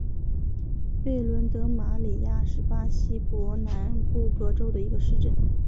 贝伦德马里亚是巴西伯南布哥州的一个市镇。